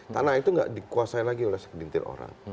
tanah itu gak dikuasai lagi oleh sekejintir orang